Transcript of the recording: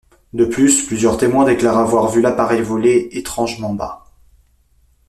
De plus, plusieurs témoins déclarent avoir vu l’appareil voler étrangement bas.